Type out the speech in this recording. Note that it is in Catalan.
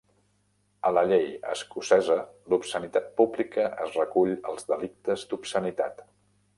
A la llei escocesa, l'obscenitat pública es recull als Delictes d'obscenitat.